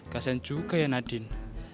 kasian juga ya nadin